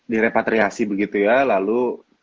direpatriasi begitu ya lalu